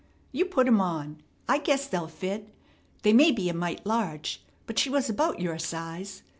You put 'em on. I guess they'll fit. They may be a mite large, but she was about your size.